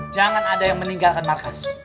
jangan ada yang meninggalkan nakas